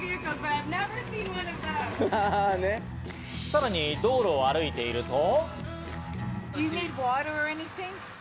さらに道路を歩いていると。